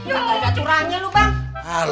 kagak ada curahnya bang